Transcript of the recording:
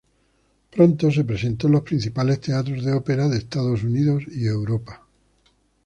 Pronto se presentó en los principales teatros de ópera de Estados Unidos y Europa.